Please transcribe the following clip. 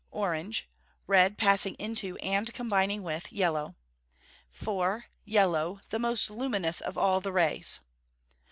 Orange red passing into and combining with yellow. 4. Yellow the most luminous of all the rays.